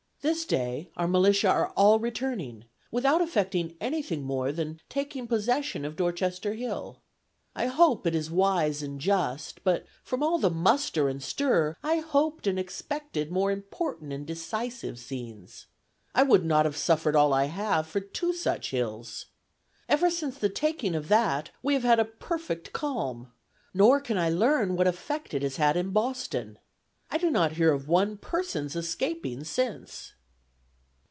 This day our militia are all returning, without effecting anything more than taking possession of Dorchester Hill. I hope it is wise and just, but, from all the muster and stir, I hoped and expected more important and decisive scenes. I would not have suffered all I have for two such hills. Ever since the taking of that, we have had a perfect calm; nor can I learn what effect it has had in Boston. I do not hear of one person's escaping since."